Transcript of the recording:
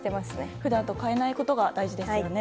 普段と変えないことが大事ですよね。